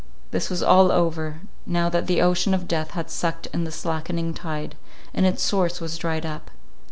This was all over, now that the ocean of death had sucked in the slackening tide, and its source was dried up.